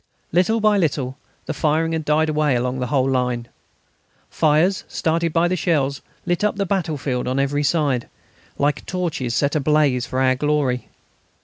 Little by little the firing died away along the whole line. Fires, started by the shells, lit up the battlefield on every side, like torches set ablaze for our glory.